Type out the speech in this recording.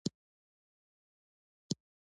افغانستان د بامیان په اړه علمي څېړنې لري.